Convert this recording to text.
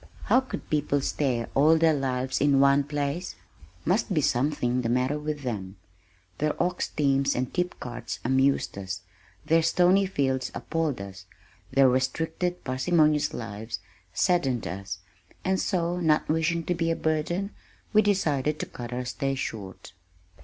How could people stay all their lives in one place? Must be something the matter with them. Their ox teams and tipcarts amused us, their stony fields appalled us, their restricted, parsimonious lives saddened us, and so, not wishing to be a burden, we decided to cut our stay short.